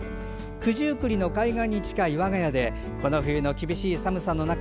九十九里海岸に近い我が家でこの冬の厳しい寒さの中